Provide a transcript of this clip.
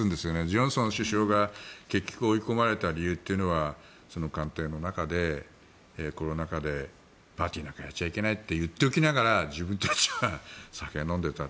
ジョンソン首相が、結局追い込まれた理由っていうのは官邸の中でコロナ禍でパーティーなんかやっちゃいけないって言っておきながら自分たちは酒を飲んでいた。